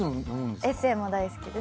エッセーも大好きです。